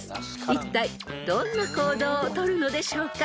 ［いったいどんな行動をとるのでしょうか］